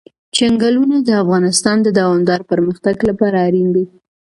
چنګلونه د افغانستان د دوامداره پرمختګ لپاره اړین دي.